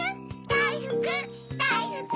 だいふくだいふく！